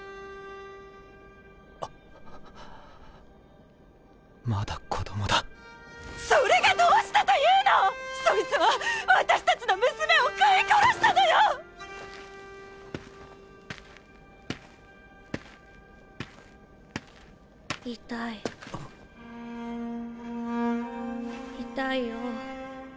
あまだ子供だそれがどうしたというの⁉そいつは私たちの娘を食い殺したのよ痛い痛いよ